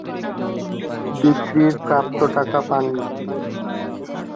বিক্রির প্রাপ্য টাকা পাননি।